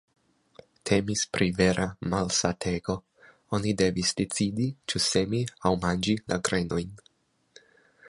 Temis pri vera malsatego: oni devis decidi ĉu semi aŭ manĝi la grenojn.